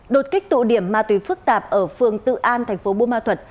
đột kích tụ điểm ma tùy phức tạp ở phương tự an thành phố bùa ma thuật